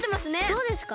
そうですか？